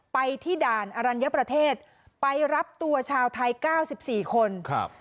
ไปที่ด่านอรัญญประเทศไปรับตัวชาวไทยเก้าสิบสี่คนครับ